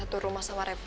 di satu rumah sama reva